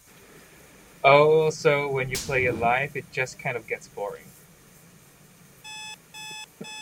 Also, when you play it live, it just kind of gets boring.